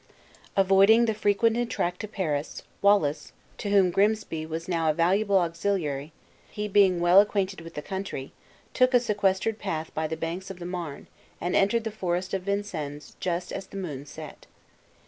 Avoiding the frequented track to Paris, Wallace (to whom Grimsby was now a valuable auxiliary, he being well acquainted with the country) took a sequestered path by the banks of the Marne, and entered the Forest of Vincennes just as the moon set.